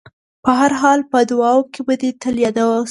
په هر حال په دعاوو کې به دې تل یاد ساتم.